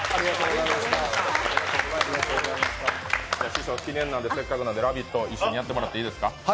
師匠、記念なんで「ラヴィット！」を一緒にやってもらっていいですか。